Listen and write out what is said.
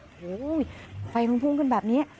โอ้โหไฟมันพุ่งขึ้นแบบนี้